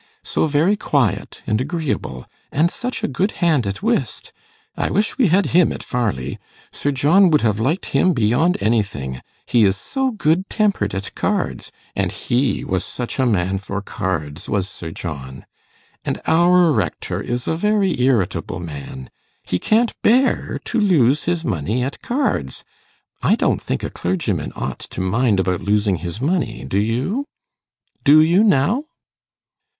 so very quiet and agreeable, and such a good hand at whist. I wish we had him at Farleigh. Sir John would have liked him beyond anything; he is so good tempered at cards, and he was such a man for cards, was Sir John. And our rector is a very irritable man; he can't bear to lose his money at cards. I don't think a clergyman ought to mind about losing his money; do you? do you now?